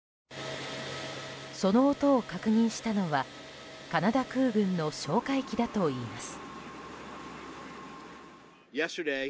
その音を確認したのはカナダ空軍の哨戒機だといいます。